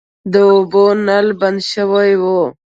د اوبو نل بند شوی و.